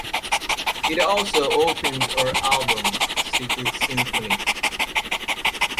It also opens her album "Secret Symphony".